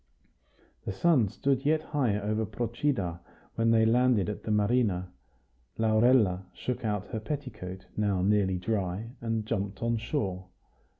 The sun stood yet high over Procida when they landed at the marina. Laurella shook out her petticoat, now nearly dry, and jumped on shore.